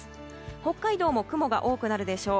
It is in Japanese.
北海道も雲が多くなるでしょう。